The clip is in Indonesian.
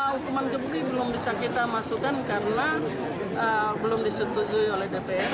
hukuman gebukti belum bisa kita masukkan karena belum disetujui oleh dpr